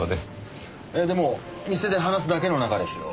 ええでも店で話すだけの仲ですよ。